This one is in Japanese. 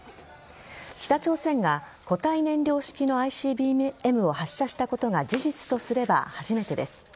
北朝鮮が固体燃料式のＩＣＢＭを発射したことが事実とすれば初めてです。